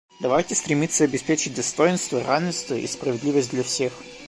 Давайте стремиться обеспечить достоинство, равенство и справедливость для всех.